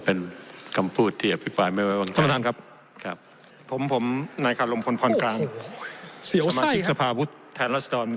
เป็นกำพูดที่พี่ปลายไม่ได้ไว้วางแทน